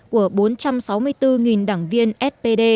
của bốn trăm sáu mươi bốn đảng viên spd